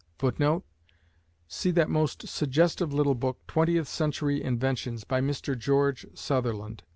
[Footnote: See that most suggestive little book, Twentieth Century Inventions, by Mr. George Sutherland.